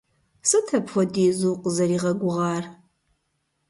Сыт апхуэдизу укъызэригъэгугъар?